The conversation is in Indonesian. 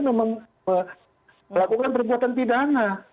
untuk melakukan perbuatan pidana